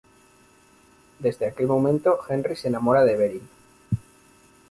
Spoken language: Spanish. Desde aquel momento, Henry se enamora de Beryl.